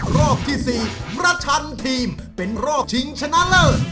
รอบที่๔ประชันทีมเป็นรอบชิงชนะเลิศ